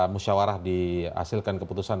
musyawarah dihasilkan keputusan